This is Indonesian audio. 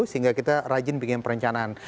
sehingga kita rajin bikin perencanaan